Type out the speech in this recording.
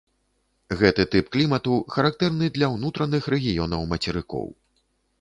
Гэты тып клімату характэрны для ўнутраных рэгіёнаў мацерыкоў.